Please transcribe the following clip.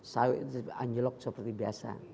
sawit anjlok seperti biasa